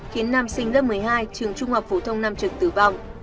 khiến nam sinh lớp một mươi hai trường trung học phổ thông nam trần tử vong